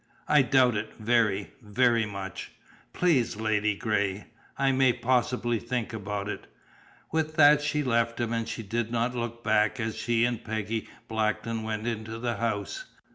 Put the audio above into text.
"I doubt it very, very much." "Please, Ladygray!" "I may possibly think about it." With that she left him, and she did not look back as she and Peggy Blackton went into the house.